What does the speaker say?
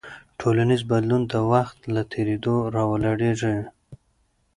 ټولنیز بدلون د وخت له تېرېدو راولاړېږي.